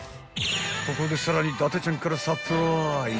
［ここでさらに伊達ちゃんからサプライズ］